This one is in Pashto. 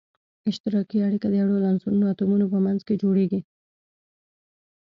اشتراکي اړیکه د یو ډول عنصرونو اتومونو په منځ کې جوړیږی.